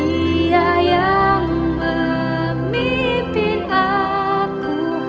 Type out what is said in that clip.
ia yang memimpin aku